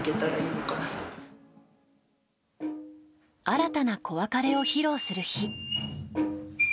新たな「子別れ」を披露する日。